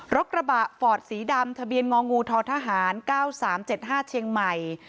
รถกระบะฟอร์ดสีดำทะเบียนงองูททหาร๙๓๗๕เชียงใหม่